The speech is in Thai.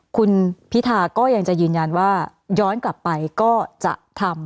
คุณพิธาก็ยังจะยืนยันว่าย้อนกลับไปก็จะทำ